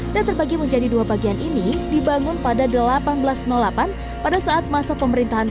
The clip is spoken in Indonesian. yang terbagi menjadi dua bagian ini dibangun pada seribu delapan ratus delapan pada saat masa pemerintahan